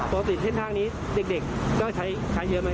ประสิทธิ์เส้นทางนี้เด็กก็ใช้เยอะไหม